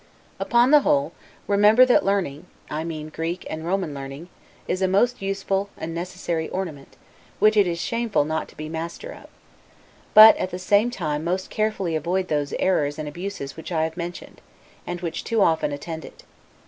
Upon the whole, remember that learning (I mean Greek and Roman learning) is a most useful and necessary ornament, which it is shameful not to be master of; but, at the same time most carefully avoid those errors and abuses which I have mentioned, and which too often attend it.